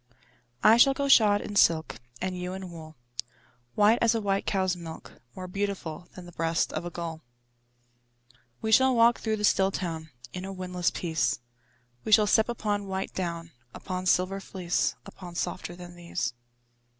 I shall go shod in silk, And you in wool, White as a white cow's milk, More beautiful Than the breast of a gull. We shall walk through the still town In a windless peace; We shall step upon white down, Upon silver fleece, Upon softer than these.